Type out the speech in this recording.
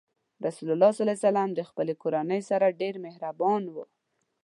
رسول الله ﷺ د خپلې کورنۍ سره ډېر مهربان و.